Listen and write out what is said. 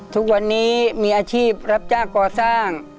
ทุกวันนี้มีอาชีพรับจ้างก่อสร้าง